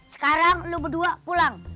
sekarang lu berdua pulang